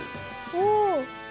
おお！